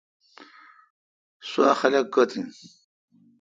سوا خلق کوتھ این۔